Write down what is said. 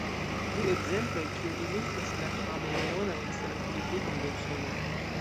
Du ekzemploj, kiuj ilustras la ĥameleonan eksteran politikon de Usono.